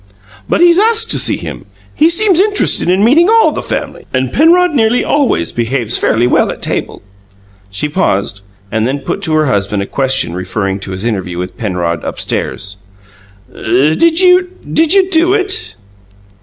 "But he's asked to see him; he seems interested in meeting all the family. And Penrod nearly always behaves fairly well at table." She paused, and then put to her husband a question referring to his interview with Penrod upstairs. "Did you did you do it?"